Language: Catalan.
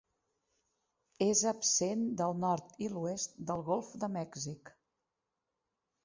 És absent del nord i l'oest del golf de Mèxic.